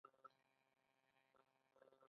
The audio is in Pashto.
تنور د ډوډۍ تود بخار راوړي